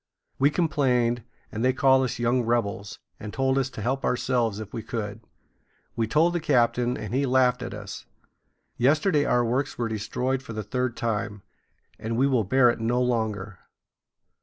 We complained, and they called us young rebels, and told us to help ourselves if we could. We told the captain, and he laughed at us. Yesterday our works were destroyed for the third time, and we will bear it no longer."